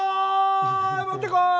もってこい！